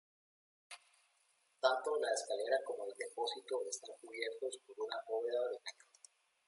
Tanto la escalera como el depósito están cubiertos por una bóveda de cañón.